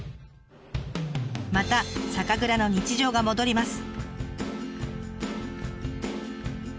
また酒蔵の日常が戻ります。